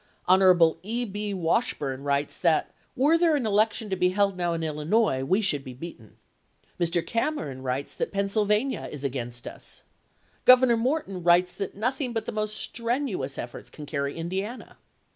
Hon. E. B. Wash burne writes that " were an election to be held now in Illinois we should be beaten." Mr. Cameron writes that Pennsylvania is against us. Governor Morton writes that nothing but the most strenuous efforts can carry Indiana.